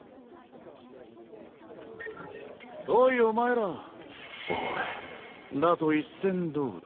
おいお前ら俺らと一戦どうだ？